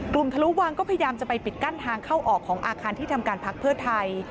ทะลุวังก็พยายามจะไปปิดกั้นทางเข้าออกของอาคารที่ทำการพักเพื่อไทย